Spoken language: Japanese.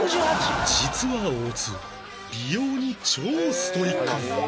実は大津美容に超ストイック